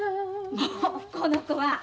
もうこの子は！